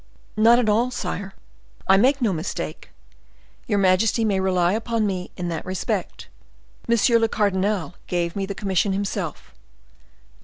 "Not at all, sire—I make no mistake; your majesty may rely upon me in that respect. Monsieur le cardinal gave me the commission himself."